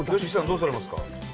どうされますか？